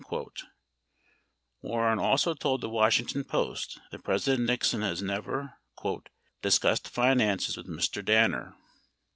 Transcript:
31 War ren also told the Washington Post that President Nixon has never "discussed finances with Mr. Danner."